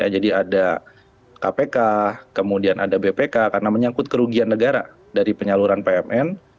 jadi ada kpk kemudian ada bpk karena menyangkut kerugian negara dari penyaluran bumn